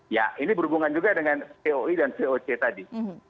ya ini berhubungan juga dengan voi dan voc tadi